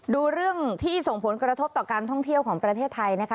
ดูเรื่องที่ส่งผลกระทบต่อการท่องเที่ยวของประเทศไทยนะคะ